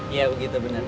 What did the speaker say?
iya begitu bener